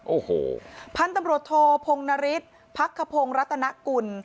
โอ้โหพันธุ์ตำรวจโทพงนฤทธิ์พักขพงศ์รัตนกุล